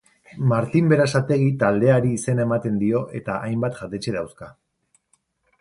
Martin Berasategi taldeari izena ematen dio eta hainbat jatetxe dauzka.